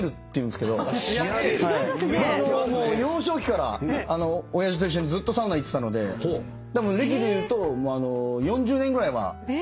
幼少期から親父と一緒にずっとサウナ行ってたので歴でいうと４０年ぐらいは。